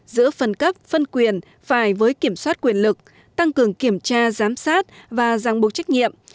giữa phân cấp phân quyền phải với kiểm soát quyền lực tăng cường kiểm tra giám sát và giang buộc trách nhiệm